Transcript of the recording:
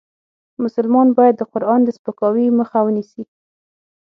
مسلمان باید د قرآن د سپکاوي مخه ونیسي .